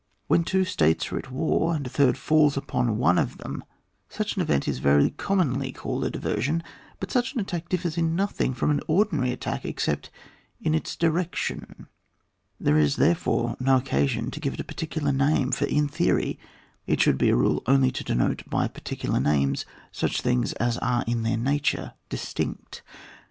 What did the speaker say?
When two states are at war, and a third falls upon one of them, such an event is very com monly called a diversion — but such an attack differs in nothing from an ordi nary attack except in its direction ; there is, therefore, no occasion to give it a par ticular name, for in theory it should be a rule only to denote by particular names such things as are in their nature distinct.